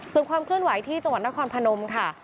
ส่วนความเคลื่อนไหวที่จังหวัดนครพนมค่ะ